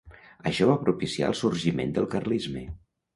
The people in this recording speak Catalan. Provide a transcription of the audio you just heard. Això va propiciar el sorgiment del carlisme.